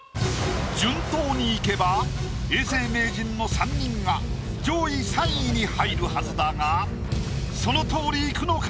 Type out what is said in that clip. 順当にいけば永世名人の３人が上位３位に入るはずだがそのとおりいくのか？